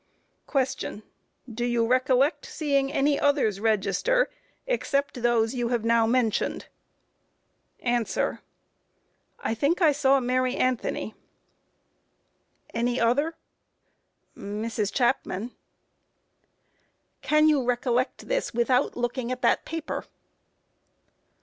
Q. Do you recollect seeing any others register except those you have now mentioned? A. I think I saw Mary Anthony. Q. Any other? A. Mrs. Chapman. Q. Can you recollect this without looking at that paper?